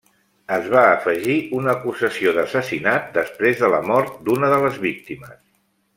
Es va afegir una acusació d'assassinat després de la mort d'una de les víctimes.